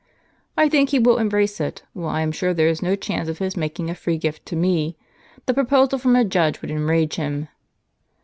"I think he will embrace it: while I am sure there is no chance of his making a free gift to me. The proposal from a judge would enrage him."